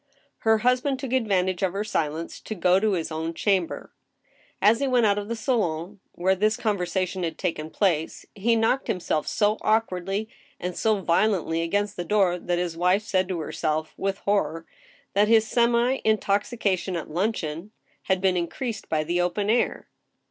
Her husband took advantage of her silence to go to his own chamber. As he went out of the salon, where this conversation had taken place, he knocked himself so awkwardly and so violently against the door that his wife said to herself, with horror, that his semi intoxica tion at luncheon had been increased by the open air.